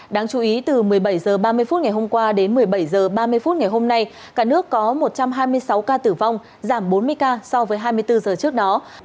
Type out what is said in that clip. đáng chú ý từ một mươi bảy h ba mươi phút ngày hôm qua đến một mươi bảy h ba mươi phút ngày hôm nay cả nước có một trăm hai mươi sáu ca tử vong giảm bốn mươi ca so với hai mươi bốn giờ trước đó